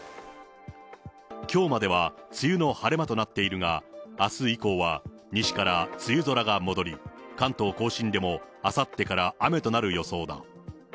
きょうまでは梅雨の晴れ間となっているが、あす以降は西から梅雨空が戻り、関東甲信でもあさってから雨となる予想だ。